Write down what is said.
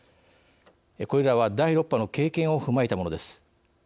これらは、第６波の経験を踏まえたものです。